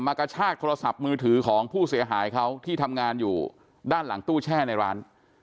กระชากโทรศัพท์มือถือของผู้เสียหายเขาที่ทำงานอยู่ด้านหลังตู้แช่ในร้าน